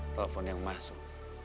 telepon yang masuk